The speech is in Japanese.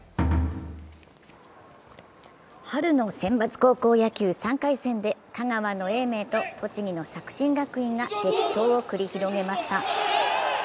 春の選抜高校野球３回戦で香川の英明と栃木の作新学院が激闘を繰り広げました。